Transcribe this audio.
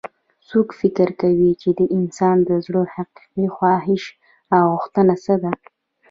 څوک فکر کوي چې د انسان د زړه حقیقي خواهش او غوښتنه څه ده